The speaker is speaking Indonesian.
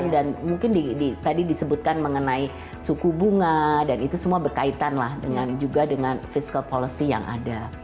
dan mungkin tadi disebutkan mengenai suku bunga dan itu semua berkaitan juga dengan fiscal policy yang ada